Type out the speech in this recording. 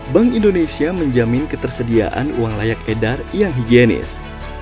bank indonesia menjamin ketersediaan uang layak edar yang higienis